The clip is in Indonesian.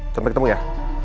sampai ketemu ya